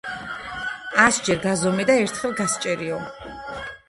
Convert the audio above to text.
ასჯერ გაზომე და ერთხელ გასჭერიო